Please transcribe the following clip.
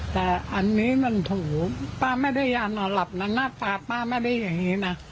แต่อันนี้มันถูป้าไม่ได้ยานอนหลับนะหน้าตาป้าไม่ได้อย่างนี้นะ